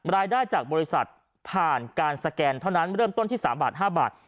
รายได้จากบริษัทผ่านการสแกนเท่านั้นเริ่มต้นที่๓บาท๕บาท